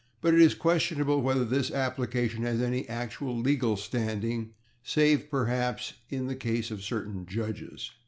But it is questionable whether this application has any actual legal standing, save perhaps in the case of certain judges.